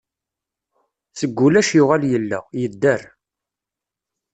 Seg ulac yuɣal yella, yedder.